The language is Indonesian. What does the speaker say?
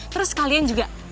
terus kalian juga